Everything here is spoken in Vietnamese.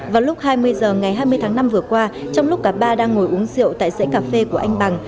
vào lúc hai mươi h ngày hai mươi tháng năm vừa qua trong lúc cả ba đang ngồi uống rượu tại dãy cà phê của anh bằng